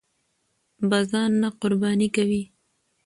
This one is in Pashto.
به ځان نه قرباني کوئ!